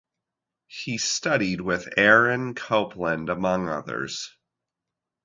He studied with Aaron Copland among others.